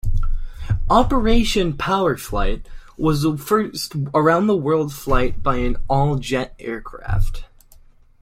"Operation Power-Flite" was the first around the world flight by an all-jet aircraft.